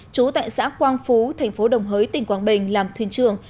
trú tại xã quang phú tp đồng hới tỉnh quảng bình làm thuyền trường